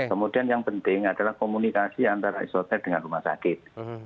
kemudian yang penting adalah komunikasi antara isoter dengan rumah sakit